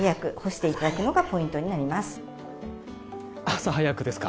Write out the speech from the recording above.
朝早くですか。